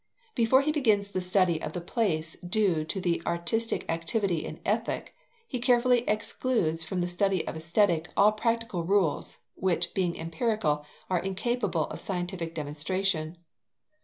Before he begins the study of the place due to the artistic activity in Ethic, he carefully excludes from the study of Aesthetic all practical rules (which, being empirical, are incapable of scientific demonstration).